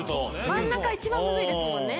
真ん中一番むずいですもんね。